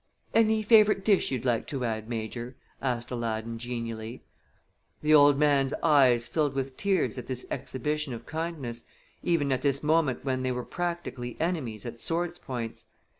"Any favorite dish you'd like to add, Major?" asked Aladdin, genially. The old man's eyes filled with tears at this exhibition of kindness, even at this moment when they were practically enemies at swords' points.